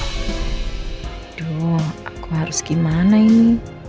aduh aku harus gimana ini